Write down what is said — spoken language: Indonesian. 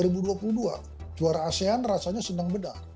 berasian rasanya senang beda